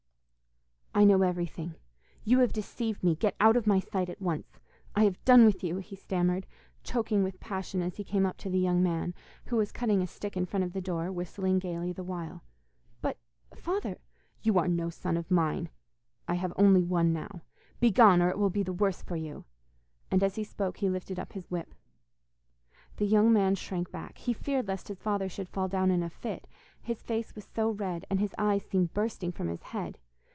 'I know everything you have deceived me. Get out of my sight at once I have done with you,' he stammered, choking with passion as he came up to the young man, who was cutting a stick in front of the door, whistling gaily the while. 'But, father ' 'You are no son of mine; I have only one now. Begone, or it will be the worse for you,' and as he spoke he lifted up his whip. The young man shrank back. He feared lest his father should fall down in a fit, his face was so red and his eyes seemed bursting from his head.